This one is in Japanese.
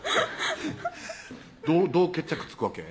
どう決着つくわけ？